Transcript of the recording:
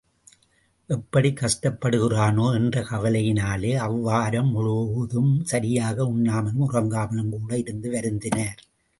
எப்படிக் கஷ்டப்படுகிறானோ? — என்ற கவலையினாலே அவ்வாரம் முழுதும் சரியாக உண்ணாமலும் உறங்காமலுங் கூட இருந்து வருந்தினார்.